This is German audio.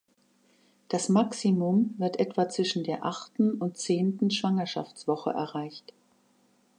Das Maximum wird etwa zwischen der achten und zehnten Schwangerschaftswoche erreicht.